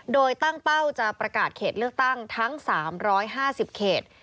โดยตั้งเป้าจะประกาศเขตเลือกตั้งทั้ง๓๕๐เขต